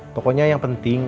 pokoknya yang penting